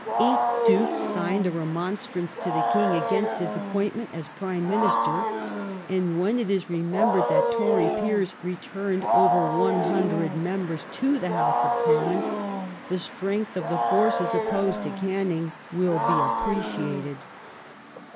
Eight Dukes signed a remonstrance to the King against his appointment as Prime Minister, and when it is remembered that Tory Peei*s returned over 100 members to the House of Commons,^ the strength of the forces opposed to Canning will be appreciated.